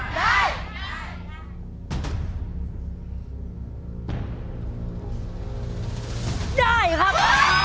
ได้ครับ